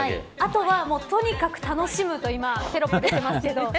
あとは、とにかく楽しむと今、テロップ出てますけど。